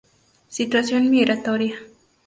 Situación migratoria.